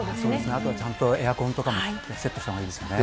あとちゃんと、エアコンとかもセットしたほうがいいですよね。